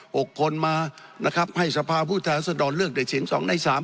หกคนมานะครับให้สภาพผู้แทนรัศดรเลือกได้เสียงสองในสาม